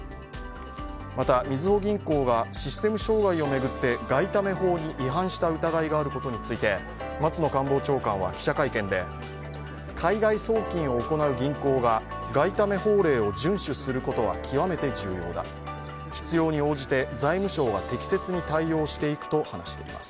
また、みずほ銀行がシステム障害を巡って外為法に違反した疑いがあることについて、松野官房長官は記者会見で海外送金を行う銀行が外為法令を順守することは極めて重要だ、必要に応じて財務省が適切に対応していくと話しています。